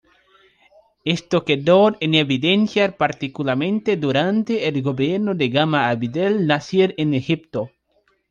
Esto quedó en evidencia particularmente durante el gobierno de Gamal Abdel Nasser en Egipto.